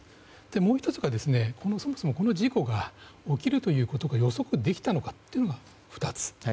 もう１つが、そもそもこの事故が起きるということが予測できたのかというのが２つ。